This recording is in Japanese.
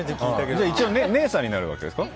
一応、姉さんになるわけですか？